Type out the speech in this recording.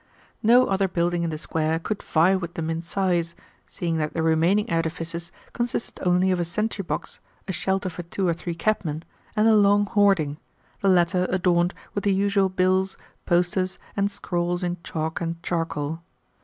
No other building in the square could vie with them in size, seeing that the remaining edifices consisted only of a sentry box, a shelter for two or three cabmen, and a long hoarding the latter adorned with the usual bills, posters, and scrawls in chalk and charcoal.